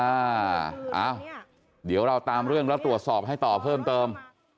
อ้าวเดี๋ยวเราตามเรื่องแล้วตรวจสอบให้ต่อเพิ่มเติม